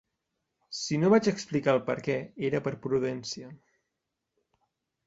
Si no vaig explicar el perquè era per prudència.